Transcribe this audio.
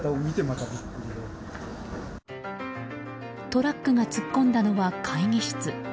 トラックが突っ込んだのは会議室。